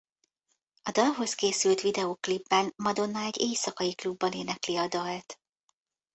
A dalhoz készült videoklipben Madonna egy éjszakai klubban énekli a dalt.